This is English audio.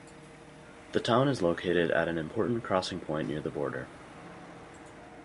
The town is located at an important crossing point near the border.